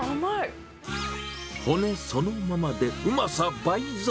骨そのままでうまさ倍増。